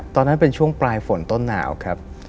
ตอนนั้นเป็นช่วงปลายฝนต้นหนาวครับ